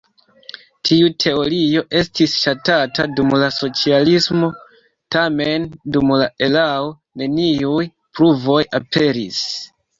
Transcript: Tiu teorio estis ŝatata dum la socialismo, tamen dum la erao neniuj pruvoj aperis.